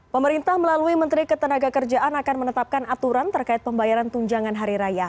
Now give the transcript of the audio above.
pemerintah melalui menteri ketenaga kerjaan akan menetapkan aturan terkait pembayaran tunjangan hari raya